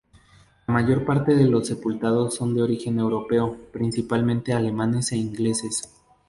La mayor parte de los sepultados son de origen europeo, principalmente alemanes e ingleses.